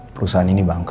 perusahaan ini bangkrut